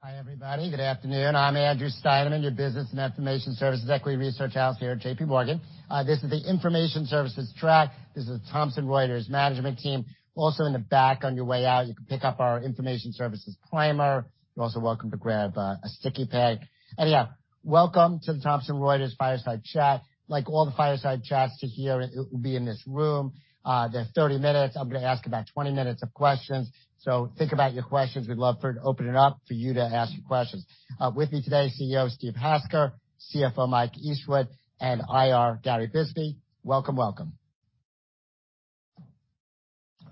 Hi, everybody. Good afternoon. I'm Andrew Steinerman, your Business and Information Services Equity Research Analyst here at J.P. Morgan. This is the Information Services Track. This is the Thomson Reuters Management Team. Also, in the back, on your way out, you can pick up our Information Services Primer. You're also welcome to grab a sticky pen. Anyhow, welcome to the Thomson Reuters Fireside Chat. Like all the Fireside Chats to here, it will be in this room. They're 30 minutes. I'm going to ask about 20 minutes of questions. So think about your questions. We'd love for it to open it up for you to ask your questions. With me today, CEO Steve Hasker, CFO Mike Eastwood, and IR Gary Bisbee. Welcome, welcome.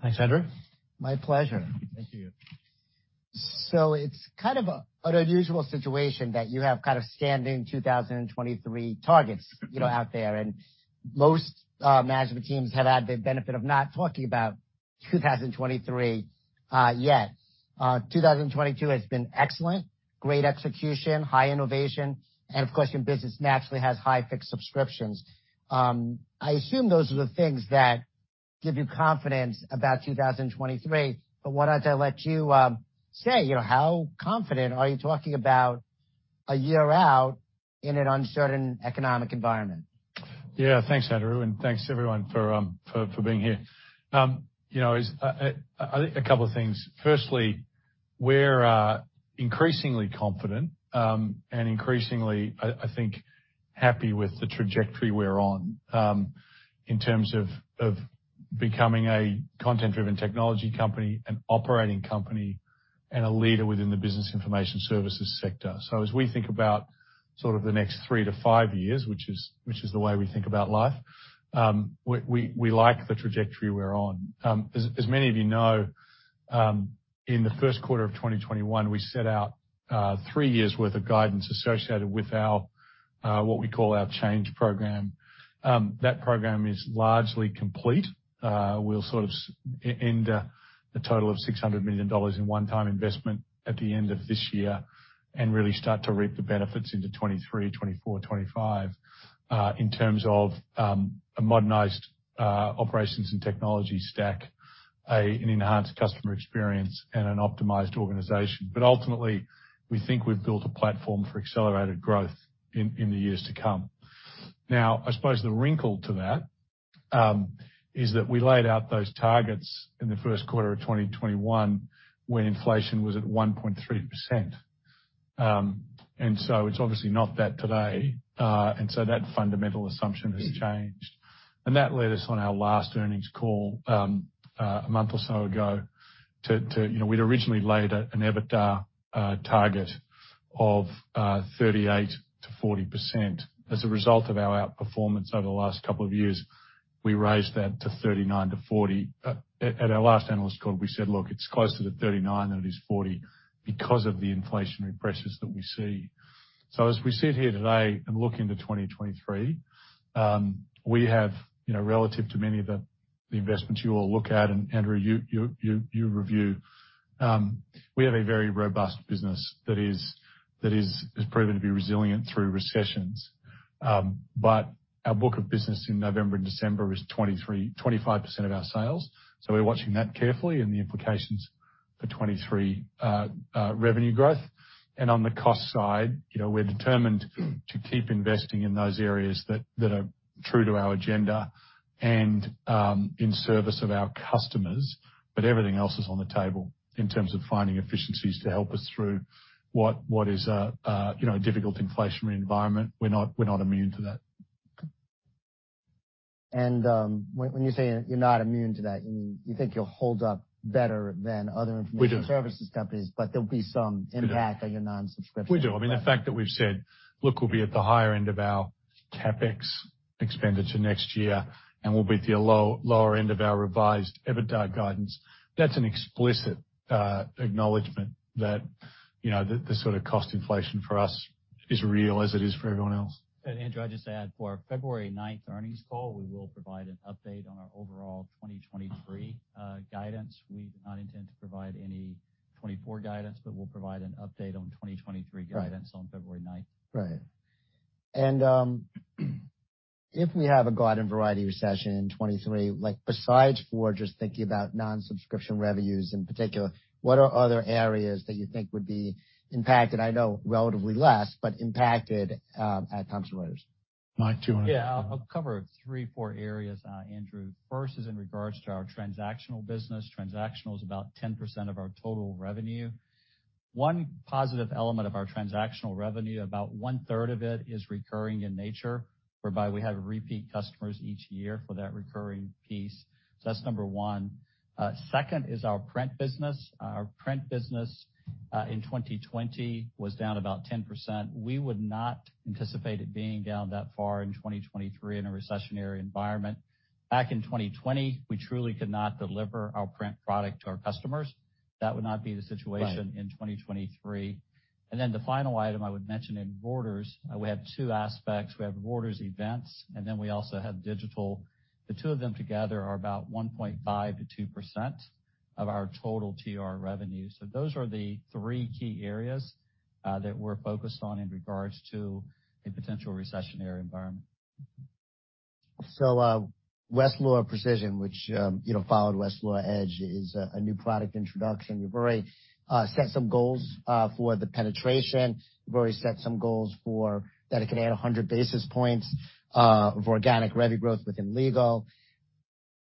Thanks, Andrew. My pleasure. Thank you. It's kind of an unusual situation that you have kind of standing 2023 targets out there. Most management teams have had the benefit of not talking about 2023 yet. 2022 has been excellent, great execution, high innovation. Of course, your business naturally has high fixed subscriptions. I assume those are the things that give you confidence about 2023. Why don't I let you say how confident are you talking about a year out in an uncertain economic environment? Yeah, thanks, Andrew, and thanks, everyone, for being here. A couple of things. Firstly, we're increasingly confident and increasingly, I think, happy with the trajectory we're on in terms of becoming a content-driven technology company, an operating company, and a leader within the business information services sector, so as we think about sort of the next three to five years, which is the way we think about life, we like the trajectory we're on. As many of you know, in the first quarter of 2021, we set out three years' worth of guidance associated with what we call our Change Program. That program is largely complete. We'll sort of end a total of $600 million in one-time investment at the end of this year and really start to reap the benefits into 2023, 2024, 2025 in terms of a modernized operations and technology stack, an enhanced customer experience, and an optimized organization. But ultimately, we think we've built a platform for accelerated growth in the years to come. Now, I suppose the wrinkle to that is that we laid out those targets in the first quarter of 2021 when inflation was at 1.3%. And so it's obviously not that today. And that led us on our last earnings call a month or so ago. We'd originally laid an EBITDA target of 38%-40%. As a result of our outperformance over the last couple of years, we raised that to 39%-40%. At our last analyst call, we said, "Look, it's closer to 39 than it is 40 because of the inflationary pressures that we see." So as we sit here today and look into 2023, we have, relative to many of the investments you all look at, and Andrew, you review, we have a very robust business that has proven to be resilient through recessions. But our book of business in November and December was 25% of our sales. So we're watching that carefully and the implications for 2023 revenue growth. And on the cost side, we're determined to keep investing in those areas that are true to our agenda and in service of our customers. But everything else is on the table in terms of finding efficiencies to help us through what is a difficult inflationary environment. We're not immune to that. When you say you're not immune to that, you think you'll hold up better than other information services companies, but there'll be some impact on your non-subscription. We do. I mean, the fact that we've said, "Look, we'll be at the higher end of our CapEx expenditure next year, and we'll be at the lower end of our revised EBITDA guidance," that's an explicit acknowledgment that the sort of cost inflation for us is real as it is for everyone else. Andrew, I'd just add, for our February 9th earnings call, we will provide an update on our overall 2023 guidance. We do not intend to provide any 2024 guidance, but we'll provide an update on 2023 guidance on February 9th. Right. If we have a severe recession in 2023, besides just thinking about non-subscription revenues in particular, what are other areas that you think would be impacted? I know relatively less, but impacted at Thomson Reuters. Mike, do you want to? Yeah, I'll cover three, four areas, Andrew. First is in regards to our transactional business. Transactional is about 10% of our total revenue. One positive element of our transactional revenue, about one-third of it is recurring in nature, whereby we have repeat customers each year for that recurring piece. So that's number one. Second is our print business. Our print business in 2020 was down about 10%. We would not anticipate it being down that far in 2023 in a recessionary environment. Back in 2020, we truly could not deliver our print product to our customers. That would not be the situation in 2023. And then the final item I would mention in Reuters, we have two aspects. We have Reuters Events, and then we also have digital. The two of them together are about 1.5%-2% of our total TR revenue. Those are the three key areas that we're focused on in regards to a potential recessionary environment. Westlaw Precision, which followed Westlaw Edge, is a new product introduction. You've already set some goals for the penetration. You've already set some goals that it can add 100 basis points of organic revenue growth within legal.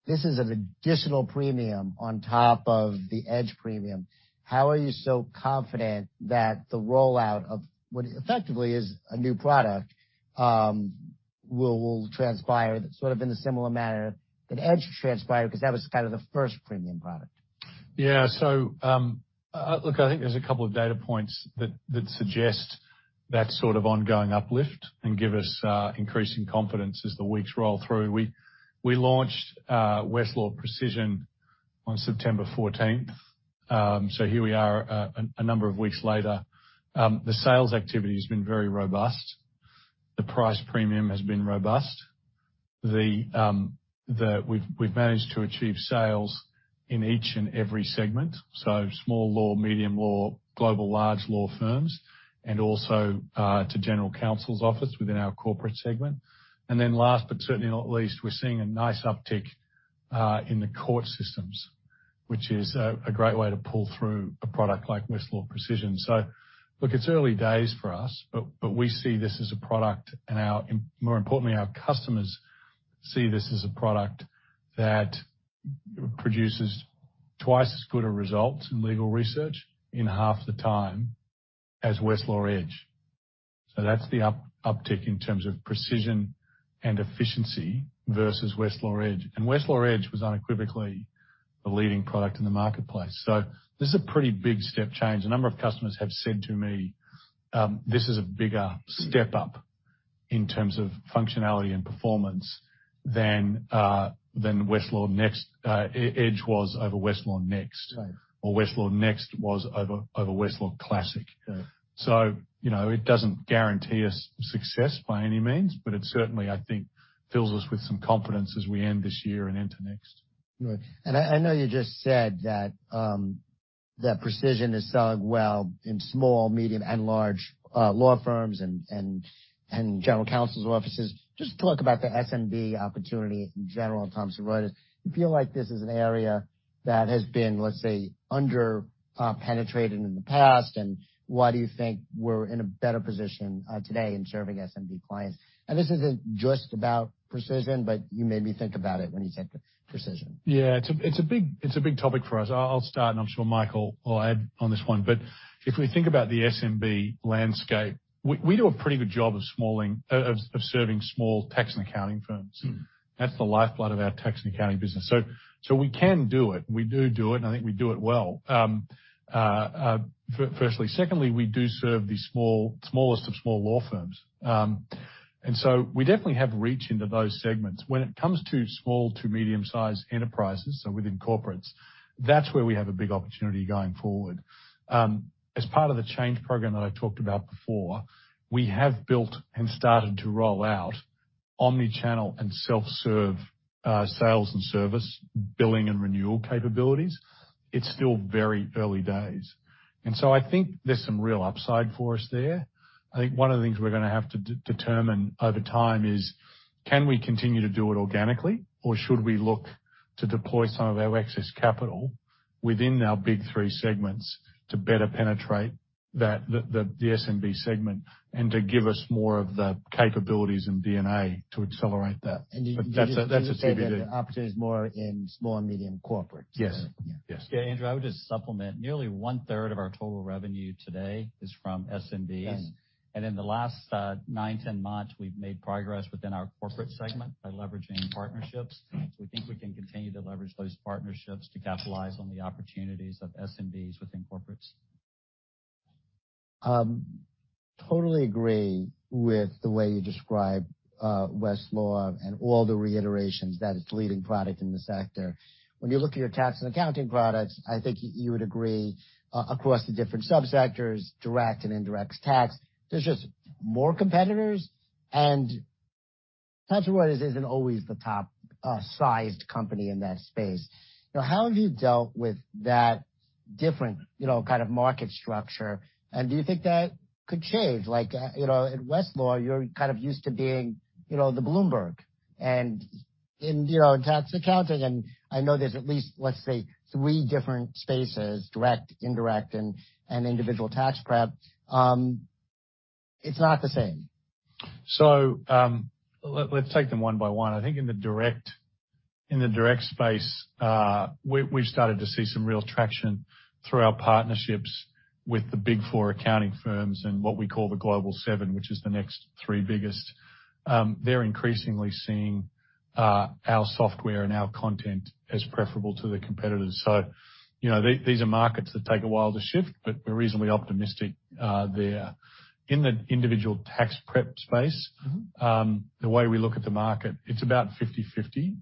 This is an additional premium on top of the Edge premium. How are you so confident that the rollout of what effectively is a new product will transpire sort of in a similar manner than Edge transpired because that was kind of the first premium product? Yeah. So look, I think there's a couple of data points that suggest that sort of ongoing uplift and give us increasing confidence as the weeks roll through. We launched Westlaw Precision on September 14th. So here we are a number of weeks later. The sales activity has been very robust. The price premium has been robust. We've managed to achieve sales in each and every segment, so small law, medium law, global large law firms, and also to general counsel's office within our corporate segment. And then last, but certainly not least, we're seeing a nice uptick in the court systems, which is a great way to pull through a product like Westlaw Precision. So look, it's early days for us, but we see this as a product, and more importantly, our customers see this as a product that produces twice as good a result in legal research in half the time as Westlaw Edge. So that's the uptick in terms of precision and efficiency versus Westlaw Edge. And Westlaw Edge was unequivocally the leading product in the marketplace. So this is a pretty big step change. A number of customers have said to me, "This is a bigger step up in terms of functionality and performance than Westlaw Edge was over Westlaw Next," or, "Westlaw Next was over Westlaw Classic." So it doesn't guarantee us success by any means, but it certainly, I think, fills us with some confidence as we end this year and enter next. Right. And I know you just said that Precision is selling well in small, medium, and large law firms and general counsel's offices. Just talk about the SMB opportunity in general at Thomson Reuters. You feel like this is an area that has been, let's say, under-penetrated in the past, and why do you think we're in a better position today in serving SMB clients? And this isn't just about Precision, but you made me think about it when you said Precision. Yeah, it's a big topic for us. I'll start, and I'm sure Michael will add on this one. But if we think about the SMB landscape, we do a pretty good job of serving small tax and accounting firms. That's the lifeblood of our tax and accounting business. So we can do it. We do do it, and I think we do it well, firstly. Secondly, we do serve the smallest of small law firms. And so we definitely have reach into those segments. When it comes to small to medium-sized enterprises, so within corporates, that's where we have a big opportunity going forward. As part of the Change Program that I talked about before, we have built and started to roll out omnichannel and self-serve sales and service billing and renewal capabilities. It's still very early days. And so I think there's some real upside for us there. I think one of the things we're going to have to determine over time is, can we continue to do it organically, or should we look to deploy some of our excess capital within our Big Three segments to better penetrate the SMB segment and to give us more of the capabilities and DNA to accelerate that? You think that the opportunity is more in small and medium corporates? Yes. Yeah, Andrew, I would just supplement. Nearly one-third of our total revenue today is from SMBs. And in the last nine, 10 months, we've made progress within our corporate segment by leveraging partnerships. We think we can continue to leverage those partnerships to capitalize on the opportunities of SMBs within corporates. Totally agree with the way you described Westlaw and all the reiterations that it's the leading product in the sector. When you look at your tax and accounting products, I think you would agree across the different subsectors, direct and indirect tax, there's just more competitors. And Thomson Reuters isn't always the top-sized company in that space. How have you dealt with that different kind of market structure? And do you think that could change? At Westlaw, you're kind of used to being the Bloomberg in tax accounting. I know there's at least, let's say, three different spaces: direct, indirect, and individual tax prep. It's not the same. So let's take them one by one. I think in the direct space, we've started to see some real traction through our partnerships with the Big Four accounting firms and what we call the Global Seven, which is the next three biggest. They're increasingly seeing our software and our content as preferable to the competitors. So these are markets that take a while to shift, but we're reasonably optimistic there. In the individual tax prep space, the way we look at the market, it's about 50/50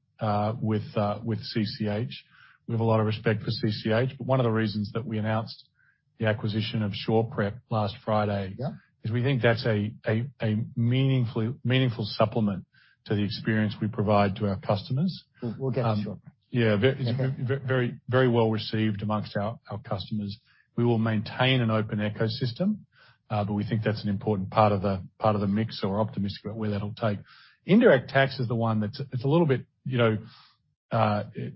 with CCH. We have a lot of respect for CCH, but one of the reasons that we announced the acquisition of SurePrep last Friday is we think that's a meaningful supplement to the experience we provide to our customers. We'll get to SurePrep. Yeah, very well received among our customers. We will maintain an open ecosystem, but we think that's an important part of the mix, so we're optimistic about where that'll take. Indirect tax is the one that's a little bit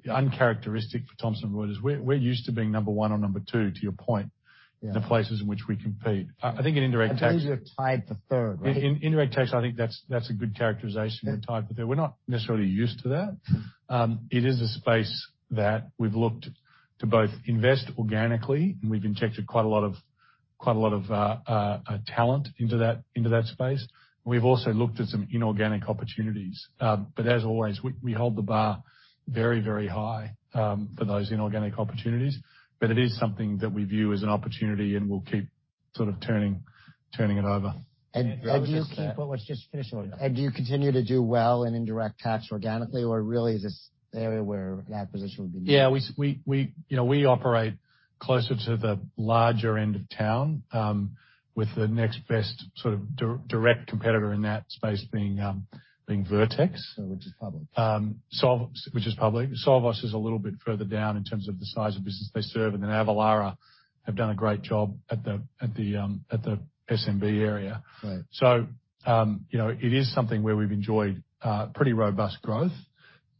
uncharacteristic for Thomson Reuters. We're used to being number one or number two, to your point, in the places in which we compete. I think in indirect tax. You've tied for third, right? In indirect tax, I think that's a good characterization. We're tied for third. We're not necessarily used to that. It is a space that we've looked to both invest organically, and we've injected quite a lot of talent into that space. We've also looked at some inorganic opportunities. But as always, we hold the bar very, very high for those inorganic opportunities. But it is something that we view as an opportunity, and we'll keep sort of turning it over. Do you continue to do well in indirect tax organically, or really is this an area where that position would be? Yeah, we operate closer to the larger end of town, with the next best sort of direct competitor in that space being Vertex. Which is public. Which is public. Sovos is a little bit further down in terms of the size of business they serve, and then Avalara have done a great job at the SMB area. So it is something where we've enjoyed pretty robust growth.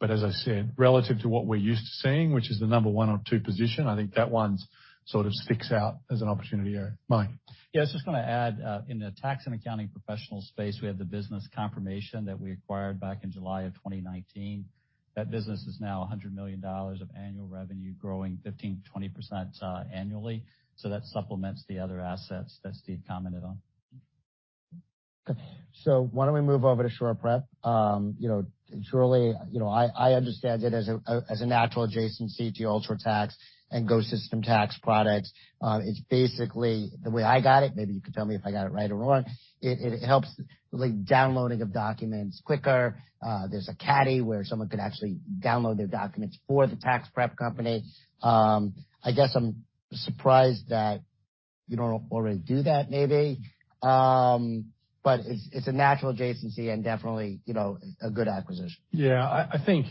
But as I said, relative to what we're used to seeing, which is the number one or two position, I think that one sort of sticks out as an opportunity area. Mike. Yeah, I was just going to add, in the tax and accounting professional space, we have the business Confirmation that we acquired back in July of 2019. That business is now $100 million of annual revenue, growing 15%-20% annually, so that supplements the other assets that Steve commented on. So why don't we move over to SurePrep? Surely, I understand it as a natural adjacency to UltraTax and GoSystem tax products. It's basically the way I got it. Maybe you could tell me if I got it right or wrong. It helps downloading of documents quicker. There's a Caddy where someone can actually download their documents for the tax prep company. I guess I'm surprised that you don't already do that, maybe. But it's a natural adjacency and definitely a good acquisition. Yeah, I think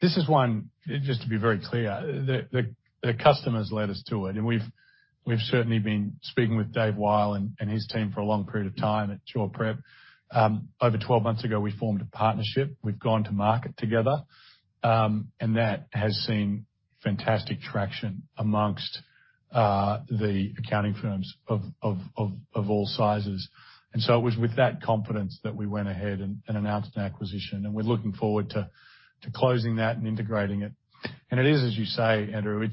this is one, just to be very clear, the customers led us to it. We've certainly been speaking with David Wyle and his team for a long period of time at SurePrep. Over 12 months ago, we formed a partnership. We've gone to market together, and that has seen fantastic traction amongst the accounting firms of all sizes. It was with that confidence that we went ahead and announced an acquisition, and we're looking forward to closing that and integrating it. It is, as you say, Andrew,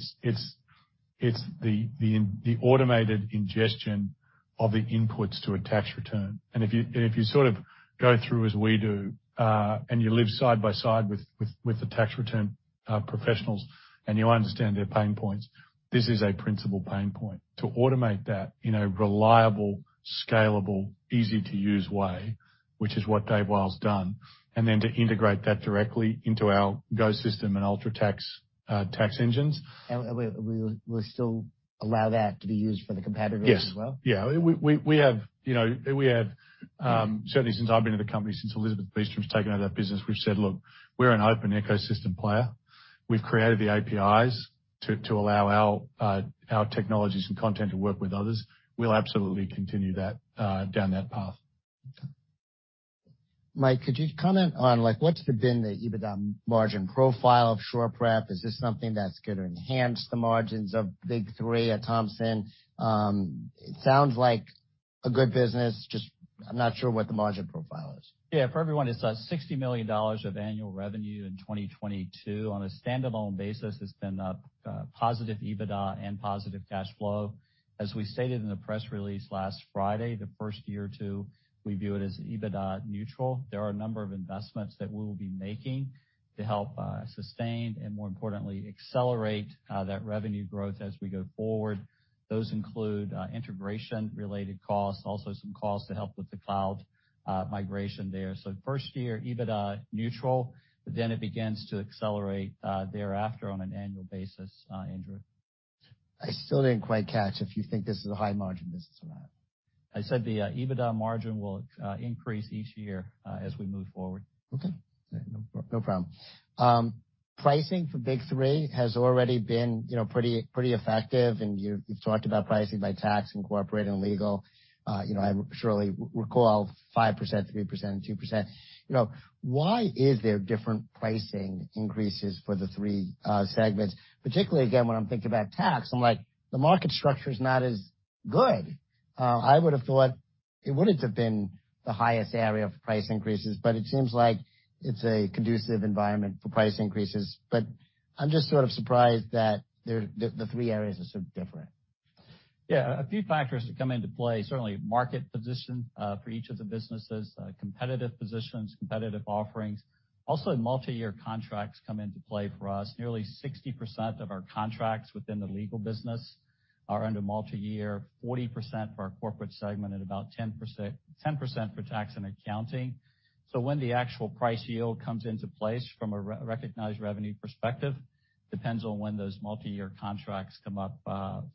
the automated ingestion of the inputs to a tax return. If you sort of go through as we do and you live side by side with the tax return professionals and you understand their pain points, this is a principal pain point. To automate that in a reliable, scalable, easy-to-use way, which is what Dave Wyle's done, and then to integrate that directly into our GoSystem and UltraTax tax engines. We'll still allow that to be used for the competitors as well? Yes. Yeah, we have certainly, since I've been in the company, since Elizabeth Beastrom's taken over that business, we've said, "Look, we're an open ecosystem player. We've created the APIs to allow our technologies and content to work with others. We'll absolutely continue down that path. Mike, could you comment on what's been the EBITDA margin profile of SurePrep? Is this something that's going to enhance the margins of Big Three at Thomson? It sounds like a good business. Just I'm not sure what the margin profile is. Yeah, for everyone, it's $60 million of annual revenue in 2022. On a standalone basis, it's been a positive EBITDA and positive cash flow. As we stated in the press release last Friday, the first year or two, we view it as EBITDA neutral. There are a number of investments that we will be making to help sustain and, more importantly, accelerate that revenue growth as we go forward. Those include integration-related costs, also some costs to help with the cloud migration there. So first year, EBITDA neutral, but then it begins to accelerate thereafter on an annual basis, Andrew. I still didn't quite catch if you think this is a high-margin business or not? I said the EBITDA margin will increase each year as we move forward. Okay. No problem. Pricing for Big Three has already been pretty effective, and you've talked about pricing by tax and corporate and legal. I surely recall 5%, 3%, 2%. Why is there different pricing increases for the three segments? Particularly, again, when I'm thinking about tax, I'm like, "The market structure is not as good." I would have thought it wouldn't have been the highest area of price increases, but it seems like it's a conducive environment for price increases. But I'm just sort of surprised that the three areas are so different. Yeah, a few factors that come into play. Certainly, market position for each of the businesses, competitive positions, competitive offerings. Also, multi-year contracts come into play for us. Nearly 60% of our contracts within the legal business are under multi-year, 40% for our corporate segment, and about 10% for tax and accounting. So when the actual price yield comes into place from a recognized revenue perspective, it depends on when those multi-year contracts come up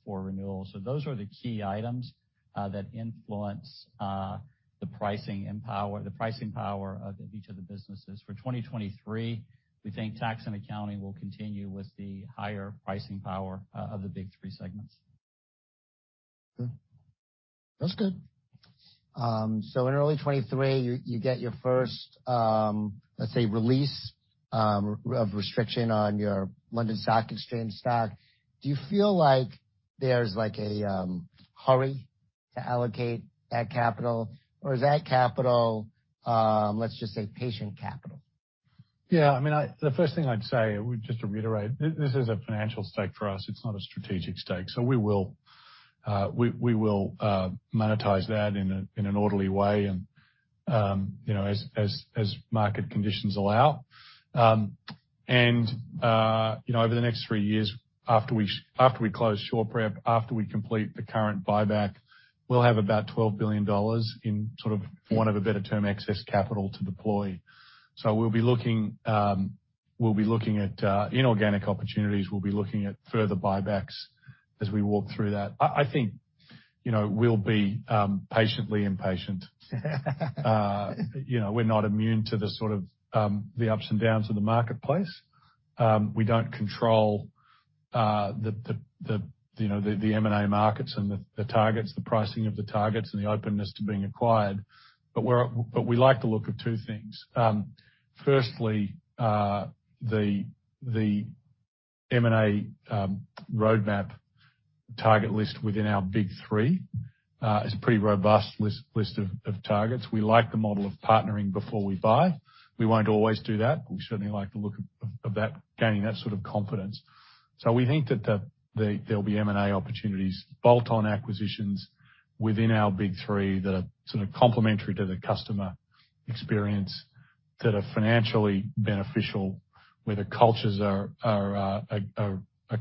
for renewal. So those are the key items that influence the pricing power of each of the businesses. For 2023, we think tax and accounting will continue with the higher pricing power of the Big Three segments. That's good. So in early 2023, you get your first, let's say, release of restriction on your London Stock Exchange stock. Do you feel like there's a hurry to allocate that capital, or is that capital, let's just say, patient capital? Yeah, I mean, the first thing I'd say, just to reiterate, this is a financial stake for us. It's not a strategic stake. So we will monetize that in an orderly way and as market conditions allow. And over the next three years, after we close SurePrep, after we complete the current buyback, we'll have about $12 billion in sort of, for want of a better term, excess capital to deploy. So we'll be looking at inorganic opportunities. We'll be looking at further buybacks as we walk through that. I think we'll be patiently impatient. We're not immune to the sort of ups and downs of the marketplace. We don't control the M&A markets and the targets, the pricing of the targets, and the openness to being acquired. But we like the look of two things. Firstly, the M&A roadmap target list within our Big Three is a pretty robust list of targets. We like the model of partnering before we buy. We won't always do that. We certainly like the look of gaining that sort of confidence. So we think that there'll be M&A opportunities, bolt-on acquisitions within our Big Three that are sort of complementary to the customer experience, that are financially beneficial, where the cultures are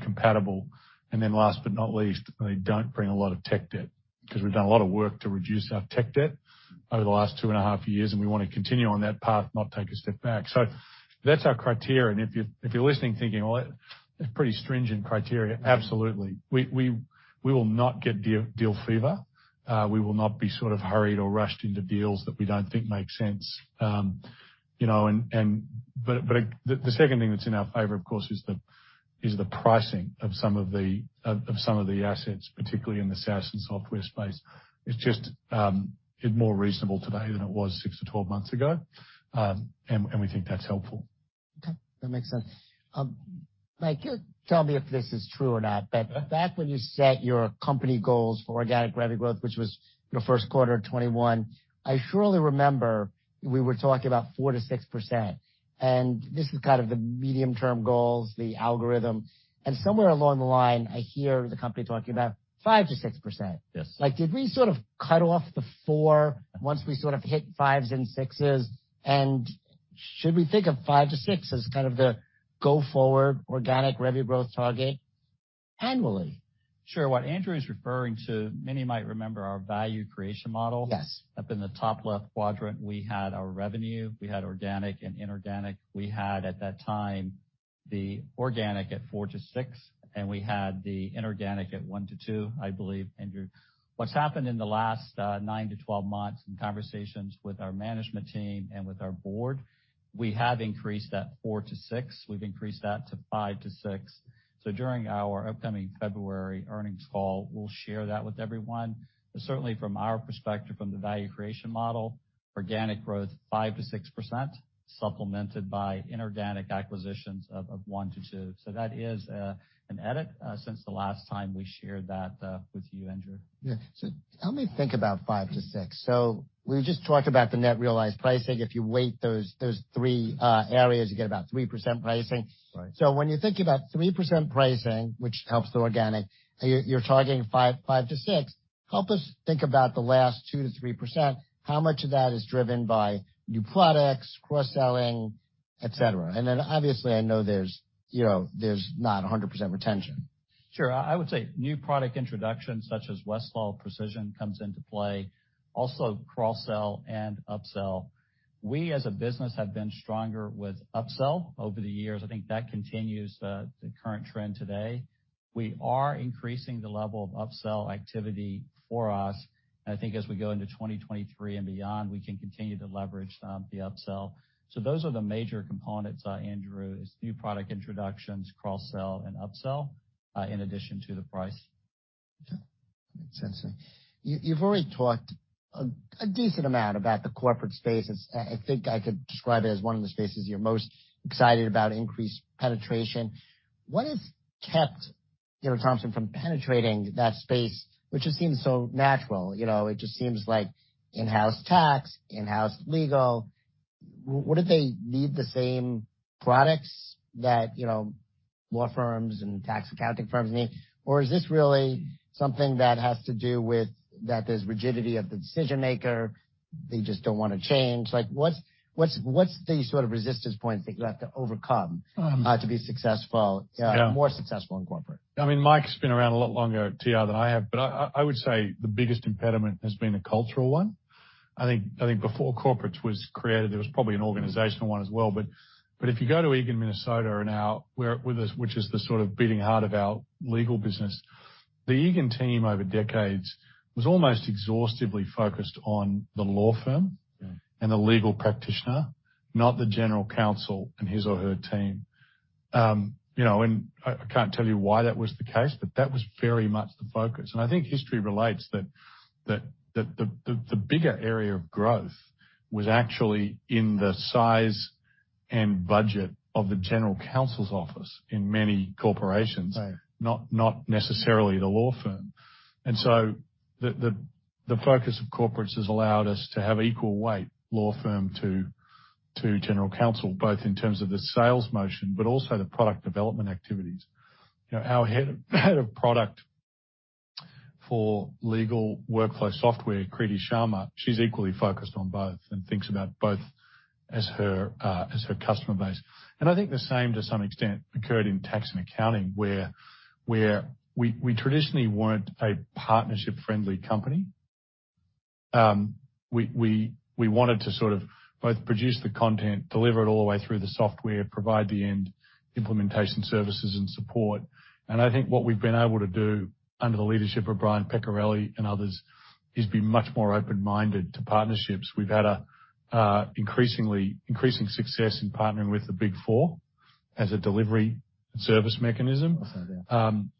compatible. And then last but not least, they don't bring a lot of tech debt because we've done a lot of work to reduce our tech debt over the last two and a half years, and we want to continue on that path, not take a step back. So that's our criteria. And if you're listening thinking, "Well, they're pretty stringent criteria," absolutely. We will not get deal fever. We will not be sort of hurried or rushed into deals that we don't think make sense. But the second thing that's in our favor, of course, is the pricing of some of the assets, particularly in the SaaS and software space. It's just more reasonable today than it was six to 12 months ago, and we think that's helpful. Okay. That makes sense. Mike, you'll tell me if this is true or not, but back when you set your company goals for organic revenue growth, which was the first quarter of 2021, I surely remember we were talking about 4%-6%. And this is kind of the medium-term goals, the algorithm. And somewhere along the line, I hear the company talking about 5%-6%. Did we sort of cut off the 4 once we sort of hit 5s and 6s? And should we think of 5%-6% as kind of the go-forward organic revenue growth target annually? Sure. What Andrew is referring to: many might remember our value creation model. Up in the top left quadrant, we had our revenue. We had organic and inorganic. We had, at that time, the organic at 4%-6%, and we had the inorganic at 1%-2%, I believe, Andrew. What's happened in the last 9 to 12 months in conversations with our management team and with our board: we have increased that 4%-6%. We've increased that to 5%-6%, so during our upcoming February earnings call, we'll share that with everyone. But certainly, from our perspective, from the value creation model, organic growth 5%-6% supplemented by inorganic acquisitions of 1%-2%, so that is an edit since the last time we shared that with you, Andrew. Yeah. So help me think about 5%-6%. So we just talked about the net realized pricing. If you weight those three areas, you get about 3% pricing. So when you think about 3% pricing, which helps the organic, you're targeting 5%-6%. Help us think about the last 2%-3%. How much of that is driven by new products, cross-selling, etc.? And then obviously, I know there's not 100% retention. Sure. I would say new product introduction such as Westlaw Precision comes into play. Also cross-sell and upsell. We, as a business, have been stronger with upsell over the years. I think that continues the current trend today. We are increasing the level of upsell activity for us. And I think as we go into 2023 and beyond, we can continue to leverage the upsell. So those are the major components, Andrew, is new product introductions, cross-sell, and upsell in addition to the price. Okay. That makes sense. You've already talked a decent amount about the corporate space. I think I could describe it as one of the spaces you're most excited about, increased penetration. What has kept Thomson from penetrating that space, which just seems so natural? It just seems like in-house tax, in-house legal. Wouldn't they need the same products that law firms and tax accounting firms need? Or is this really something that has to do with that there's rigidity of the decision-maker? They just don't want to change. What's the sort of resistance points that you have to overcome to be successful, more successful in corporate? I mean, Mike's been around a lot longer, TR, than I have, but I would say the biggest impediment has been a cultural one. I think before corporates was created, there was probably an organizational one as well. But if you go to Eagan, Minnesota, which is the sort of beating heart of our legal business, the Eagan team over decades was almost exhaustively focused on the law firm and the legal practitioner, not the general counsel and his or her team. And I can't tell you why that was the case, but that was very much the focus. And I think history relates that the bigger area of growth was actually in the size and budget of the general counsel's office in many corporations, not necessarily the law firm. And so the focus of corporates has allowed us to have equal weight, law firm to general counsel, both in terms of the sales motion, but also the product development activities. Our head of product for legal workflow software, Kriti Sharma, she's equally focused on both and thinks about both as her customer base. And I think the same, to some extent, occurred in tax and accounting, where we traditionally weren't a partnership-friendly company. We wanted to sort of both produce the content, deliver it all the way through the software, provide the end implementation services and support. And I think what we've been able to do under the leadership of Brian Peccarelli and others is be much more open-minded to partnerships. We've had an increasing success in partnering with the Big Four as a delivery service mechanism.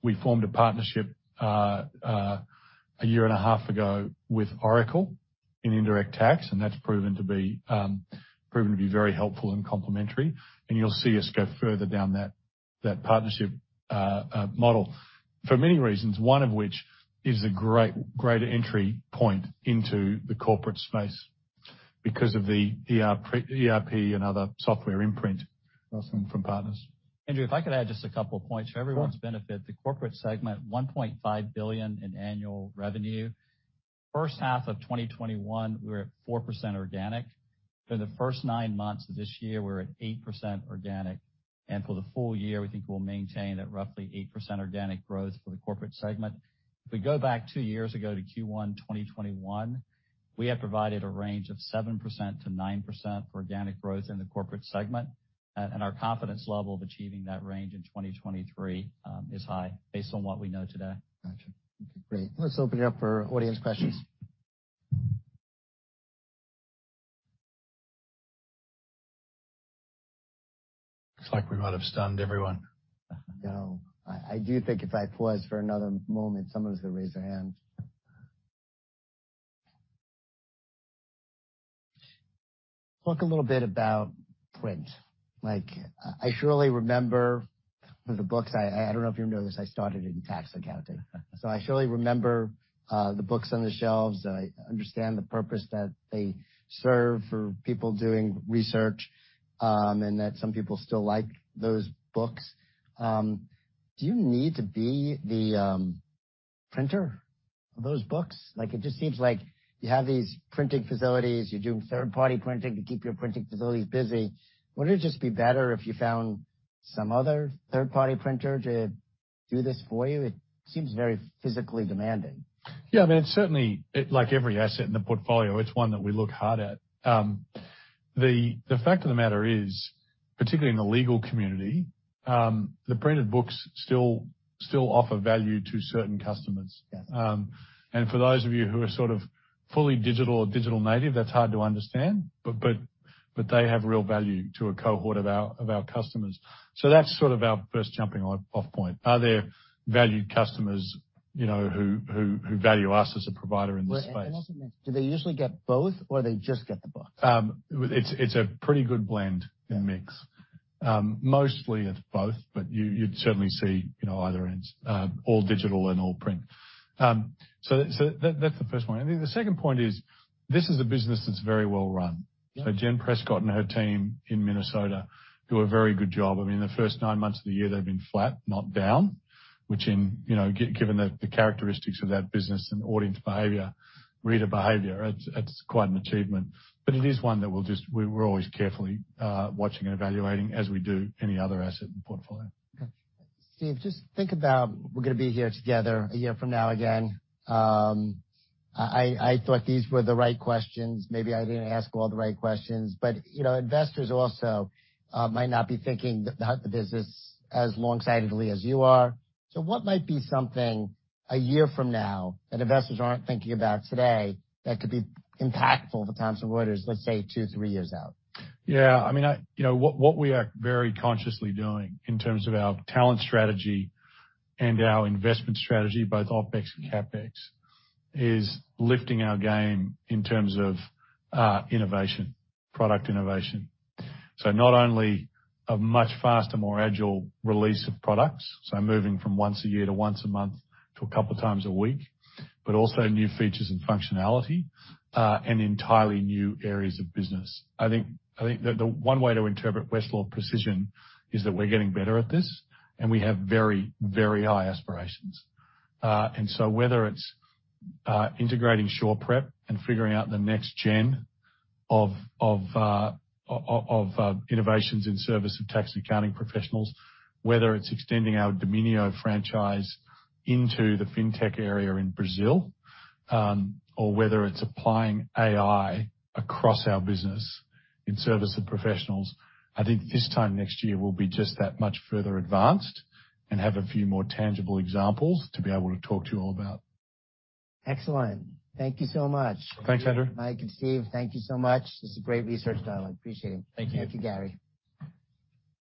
We formed a partnership a year and a half ago with Oracle in indirect tax, and that's proven to be very helpful and complementary, and you'll see us go further down that partnership model for many reasons, one of which is a greater entry point into the corporate space because of the ERP and other software imprint from partners. Andrew, if I could add just a couple of points for everyone's benefit. The corporate segment, $1.5 billion in annual revenue. First half of 2021, we were at 4% organic. In the first nine months of this year, we're at 8% organic. And for the full year, we think we'll maintain at roughly 8% organic growth for the corporate segment. If we go back two years ago to Q1 2021, we had provided a range of 7%-9% for organic growth in the corporate segment. And our confidence level of achieving that range in 2023 is high based on what we know today. Gotcha. Okay. Great. Let's open it up for audience questions. Looks like we might have stunned everyone. No. I do think if I pause for another moment, someone's going to raise their hand. Talk a little bit about print. I surely remember the books. I don't know if you know this. I started in tax accounting. So I surely remember the books on the shelves. I understand the purpose that they serve for people doing research and that some people still like those books. Do you need to be the printer of those books? It just seems like you have these printing facilities. You're doing third-party printing to keep your printing facilities busy. Wouldn't it just be better if you found some other third-party printer to do this for you? It seems very physically demanding. Yeah. I mean, it's certainly like every asset in the portfolio. It's one that we look hard at. The fact of the matter is, particularly in the legal community, the printed books still offer value to certain customers. And for those of you who are sort of fully digital or digital native, that's hard to understand, but they have real value to a cohort of our customers. So that's sort of our first jumping-off point. Are there valued customers who value us as a provider in this space? Wait. Do they usually get both, or they just get the book? It's a pretty good blend and mix. Mostly, it's both, but you'd certainly see either ends, all digital and all print. So that's the first point. I think the second point is this is a business that's very well run. So Jen Prescott and her team in Minnesota do a very good job. I mean, the first nine months of the year, they've been flat, not down, which, given the characteristics of that business and audience behavior, reader behavior, it's quite an achievement. But it is one that we're always carefully watching and evaluating as we do any other asset in the portfolio. Okay. Steve, just think about, we're going to be here together a year from now again. I thought these were the right questions. Maybe I didn't ask all the right questions. But investors also might not be thinking about the business as long-sightedly as you are. So what might be something a year from now that investors aren't thinking about today that could be impactful for Thomson Reuters, let's say two, three years out? Yeah. I mean, what we are very consciously doing in terms of our talent strategy and our investment strategy, both OpEx and CapEx, is lifting our game in terms of innovation, product innovation. So not only a much faster, more agile release of products, so moving from once a year to once a month to a couple of times a week, but also new features and functionality and entirely new areas of business. I think that the one way to interpret Westlaw Precision is that we're getting better at this, and we have very, very high aspirations. And so whether it's integrating SurePrep and figuring out the next gen of innovations in service of tax and accounting professionals, whether it's extending our Domínio franchise into the fintech area in Brazil, or whether it's applying AI across our business in service of professionals, I think this time next year we'll be just that much further advanced and have a few more tangible examples to be able to talk to you all about. Excellent. Thank you so much. Thanks, Andrew. Mike and Steve, thank you so much. This is a great research dialog. Appreciate it. Thank you. Thank you, Gary.